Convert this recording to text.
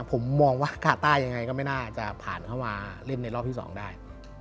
ผมมองว่ากาต้ายังไงก็ไม่น่าจะผ่านเข้ามาเล่นในรอบที่๒ได้